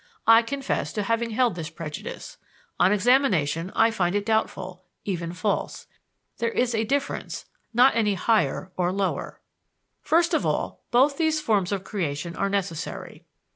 I confess to having held this prejudice. On examination, I find it doubtful, even false. There is a difference, not any "higher" and "lower." First of all, both these forms of creation are necessary.